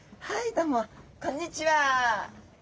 どうもこんにちは。